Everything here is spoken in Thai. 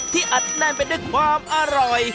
อัดแน่นไปด้วยความอร่อย